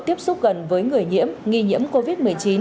tiếp xúc gần với người nhiễm nghi nhiễm covid một mươi chín